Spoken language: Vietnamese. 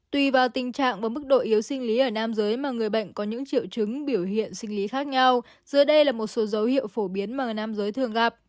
tùy vào tình trạng và mức độ yếu sinh lý ở nam giới mà người bệnh có những triệu chứng biểu hiện sinh lý khác nhau giữa đây là một số dấu hiệu phổ biến mà người nam giới thường gặp